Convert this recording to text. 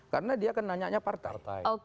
karena dia akan nanyanya partai